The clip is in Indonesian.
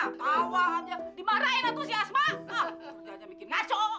ah berdanya bikin ngaco